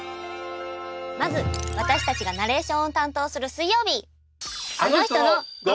まず私たちがナレーションを担当する水曜日！